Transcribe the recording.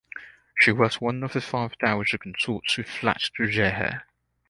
She was one of the five dowager consorts who fled to Rehe.